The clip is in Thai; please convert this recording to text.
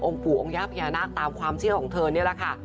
ปู่องค์ย่าพญานาคตามความเชื่อของเธอนี่แหละค่ะ